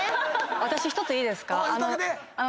私１ついいですか？